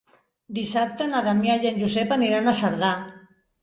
Dissabte na Damià i en Josep aniran a Cerdà.